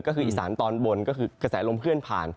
ก็คืออีสานตอนบนก็คือกระแสลมเคลื่อนผ่าน